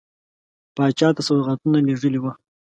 پاچا ته سوغاتونه لېږلي وه.